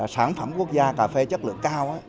sản phẩm quốc gia cà phê chất lượng cao